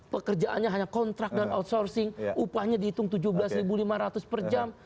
pekerjaannya hanya kontrak dan outsourcing upahnya dihitung rp tujuh belas lima ratus per jam